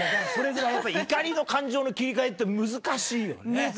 それぐらいやっぱり怒りの感情の切り替えって難しいよね。